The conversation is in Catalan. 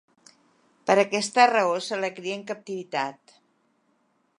Per aquesta raó, se la cria en captivitat.